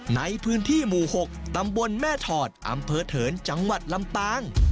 ในพื้นที่หมู่๖ตำบลแม่ถอดอำเภอเถินจังหวัดลำปาง